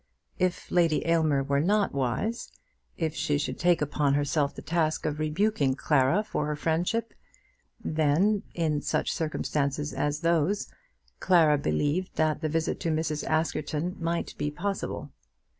If Lady Aylmer were not wise; if she should take upon herself the task of rebuking Clara for her friendship, then, in such circumstances as those, Clara believed that the visit to Mrs. Askerton might be possible.